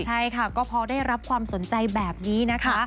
ใช่ค่ะก็พอได้รับความสนใจแบบนี้นะคะ